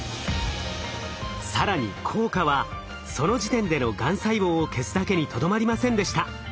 更に効果はその時点でのがん細胞を消すだけにとどまりませんでした。